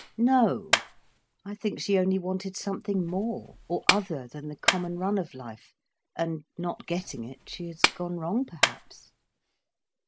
"No! I think she only wanted something more, or other than the common run of life. And not getting it, she has gone wrong perhaps."